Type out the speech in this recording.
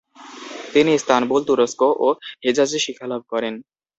তিনি ইস্তানবুল, তুরস্ক ও হেজাজে শিক্ষালাভ করেন।